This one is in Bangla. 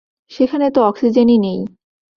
সেখানে তো অক্সিজেনই নেই।